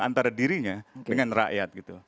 antara dirinya dengan rakyat